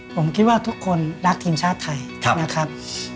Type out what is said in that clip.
ผมคิดว่าทุกคนรักทีมชาติไทยนะครับ